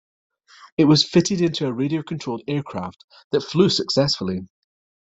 It was fitted into a radio-controlled aircraft that flew successfully.